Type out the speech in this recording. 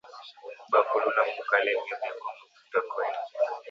Ba kuluna mu kalemie beko mu quatre coin